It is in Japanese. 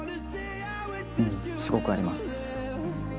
うんすごくあります。